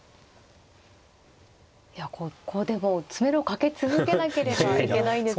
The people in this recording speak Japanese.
いやこうでも詰めろかけ続けなければいけないんですよね。